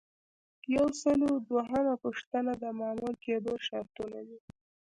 یو سل او دوهمه پوښتنه د مامور کیدو شرطونه دي.